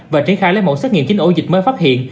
và triển khai lấy mẫu xét nghiệm chín ổ dịch mới phát hiện